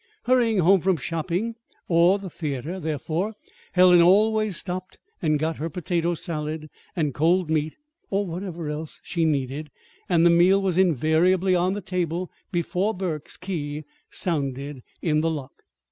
Hurrying home from shopping or the theater, therefore, Helen always stopped and got her potato salad and cold meat, or whatever else she needed. And the meal was invariably on the table before Burke's key sounded in the lock.